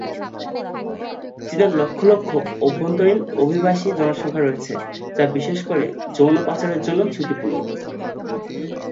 চীনের লক্ষ লক্ষ অভ্যন্তরীণ অভিবাসী জনসংখ্যা রয়েছে, যা বিশেষ করে যৌন পাচারের জন্য ঝুঁকিপূর্ণ।